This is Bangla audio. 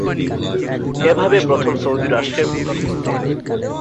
এভাবে প্রথম সৌদি রাষ্ট্রের পতন ঘটে।